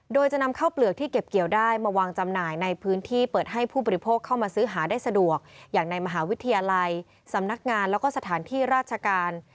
โดยจะนำข้าวเปลือกที่เก็บเกี่ยวได้มาวางจำหน่ายในพื้นที่เปิดให้ผู้บริโภคเข้ามาซื้อหาได้สะดวกอย่างในมหาวิทยาลัยสำนักงานแล้วก็สถานที่ราชการ